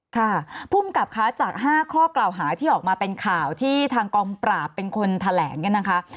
ค่ะพุ่มกลับค้าจาก๕ข้อกล่าวหาที่ออกมาเป็นข่าวที่ทางกองปราบเป็นคนแถลง